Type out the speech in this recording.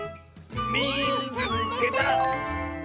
「みいつけた！」。